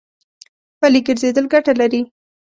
پلي ګرځېدل ګټه لري.